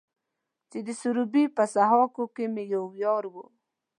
چې د سروبي په سهاکو کې مې يو يار و.